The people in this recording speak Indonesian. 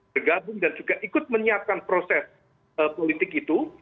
bergabung dan juga ikut menyiapkan proses politik itu